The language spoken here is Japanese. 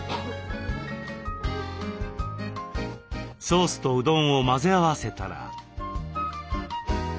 ソースとうどんを混ぜ合わせたら。